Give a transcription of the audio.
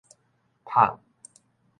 麭